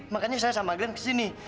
makanya saya sama grand kesini